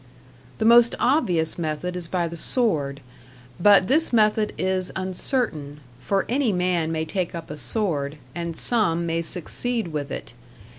The most obvious method is by the sword; but this method is uncertain, for any man may take up a sword, and some may succeed with it.